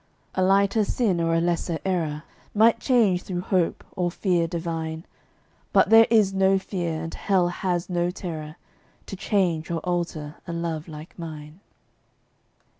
A lighter sin or a lesser error Might change through hope or fear divine; But there is no fear, and hell has no terror, To change or alter a love like mine.